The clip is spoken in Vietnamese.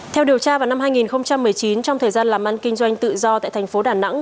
theo điều tra vào năm hai nghìn một mươi chín trong thời gian làm ăn kinh doanh tự do tại thành phố đà nẵng